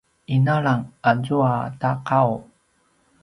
inalang azua ta qau